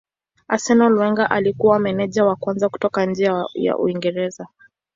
Arsenal Wenger alikuwa meneja wa kwanza kutoka nje ya Uingereza.